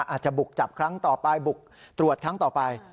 อาจจะบุกจับครั้งต่อไปบุกตรวจครั้งต่อไป